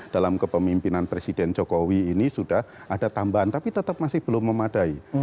dalam kepemimpinan presiden jokowi ini sudah ada tambahan tapi tetap masih belum memadai